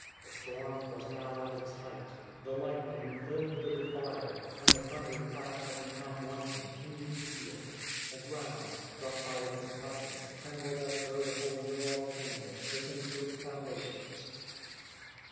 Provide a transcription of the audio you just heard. The storm was now at its height. The lightning filled the defile, and the thunderclaps had become one continued peal. The ground, struck by the concussion, trembled as though the whole Ural chain was shaken to its foundations.